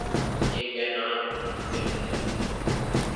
یہ کہنا ممکن ہے۔